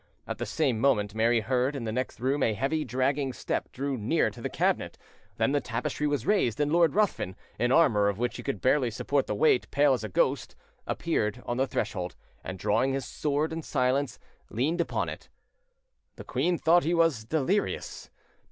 At the same moment, Mary heard in the next room a heavy, dragging step drew near the cabinet, then the tapestry was raised, and Lord Ruthven, in armour of which he could barely support the weight, pale as a ghost, appeared on the threshold, and, drawing his sword in silence, leaned upon it. The queen thought he was delirious.